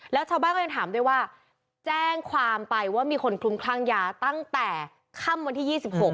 แล้วชาวบ้านก็ยังถามด้วยว่าแจ้งความไปว่ามีคนคลุมคลั่งยาตั้งแต่ค่ำวันที่๒๖